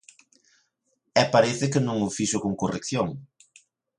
E parece que non o fixo con corrección.